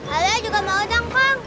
ada juga mau dong bang